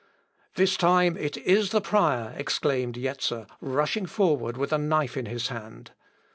"This time it is the prior," exclaimed Jetzer, rushing forward with a knife in his hand.